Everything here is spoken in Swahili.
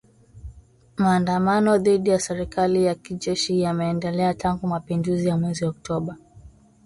Maandamano dhidi ya serikali ya kijeshi yameendelea tangu mapinduzi ya mwezi Oktoba